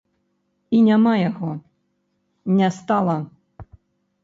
І няма яго, не стала.